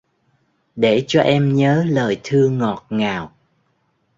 Để cho em nhớ lời thương ngọt ngào